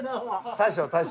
大将。